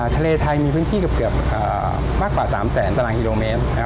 ทะเลไทยมีพื้นที่เกือบมากกว่า๓แสนตารางกิโลเมตร